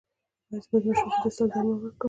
ایا زه باید ماشوم ته د اسهال درمل ورکړم؟